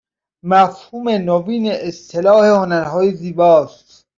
مفهوم نوین اصطلاح هنرهای زیباست